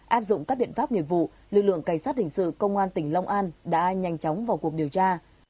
áp dụng các biện pháp nghiệp vụ lực lượng cảnh sát hình sự công an tỉnh long an đã nhanh chóng vào cuộc điều tra